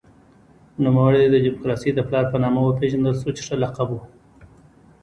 نوموړی د دموکراسۍ د پلار په نامه وپېژندل شو چې ښه لقب و.